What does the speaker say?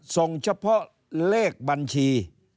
ส่งเฉพาะเลขบัญชี